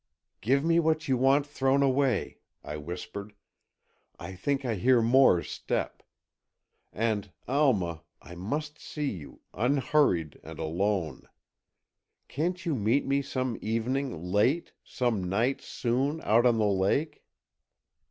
"Give me what you want thrown away," I whispered. "I think I hear Moore's step. And, Alma, I must see you, unhurried and alone. Can't you meet me some evening late—some night soon—out on the lake?"